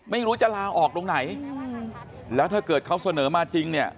ไม่รู้จะลาออกตรงไหนแล้วถ้าเกิดเขาเสนอมาจริงเนี่ย